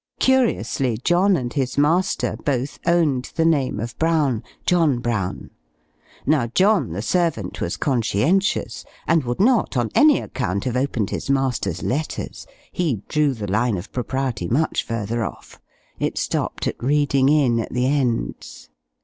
Curiously, John and his master both owned the name of Brown John Brown: now John, the servant, was conscientious; and would not, on any account, have opened his master's letters he drew the line of propriety much further off, it stopped at reading in at the ends.